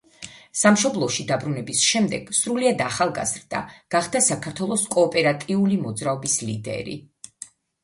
სამშობლოში დაბრუნების შემდეგ, სრულიად ახალგაზრდა, გახდა საქართველოს კოოპერატიული მოძრაობის ლიდერი.